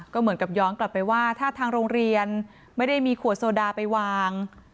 ก็เหมือนกับย้อนกลับไปว่าถ้าทางโรงเรียนไม่ได้มีขวดโซดาไปวาง